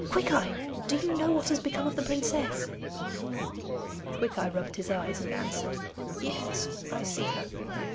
Quickeye! Do you know what has become of the princess?' Quickeye rubbed his eyes and answered: 'Yes, I see her.